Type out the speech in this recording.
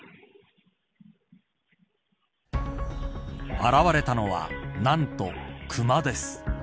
現れたのは何とクマです。